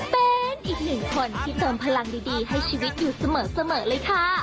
เป็นอีกหนึ่งคนที่เติมพลังดีให้ชีวิตอยู่เสมอเลยค่ะ